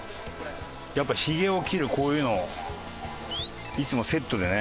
やっぱりひげを切るこういうのをいつもセットでね。